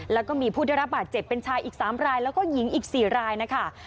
แล้วก็มีผู้ได้รับบาดเจ็บเป็นชายอีก๓รายแล้วก็หญิงอีก๔รายนะคะ